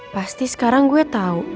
pasti sekarang gue tau